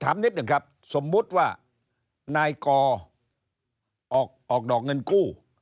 นิดหนึ่งครับสมมุติว่านายกอออกดอกเงินกู้